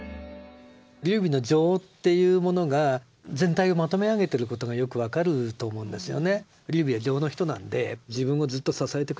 劉備の情っていうものが全体をまとめ上げてることがよく分かると思うんですよね。